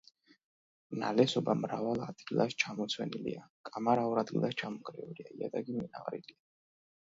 ნალესობა მრავალ ადგილას ჩამოცვენილია, კამარა ორ ადგილას ჩამონგრეულია, იატაკი მიწაყრილია.